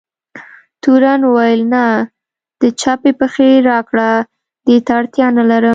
تورن وویل: نه، د چپې پښې راکړه، دې ته اړتیا نه لرم.